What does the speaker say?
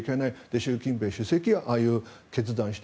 習近平主席がああいう決断をして。